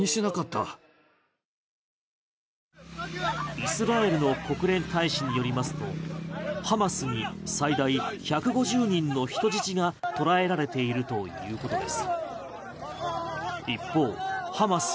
イスラエルの国連大使によりますとハマスに最大１５０人の人質が捕らえられているということです。